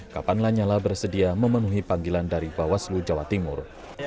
kapan lanyala bersedia memenuhi panggilan dari bawaslu jawa timur